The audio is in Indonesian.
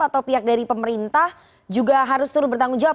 atau pihak dari pemerintah juga harus turut bertanggung jawab